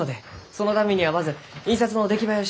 そのためにはまず印刷の出来栄えを知りとうて。